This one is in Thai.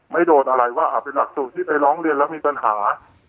ไม่โดนอะไรว่าเป็นหลักสูตรที่ไปร้องเรียนแล้วมีปัญหา